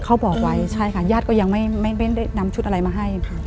เขาบอกไว้ใช่ค่ะญาติก็ยังไม่ได้นำชุดอะไรมาให้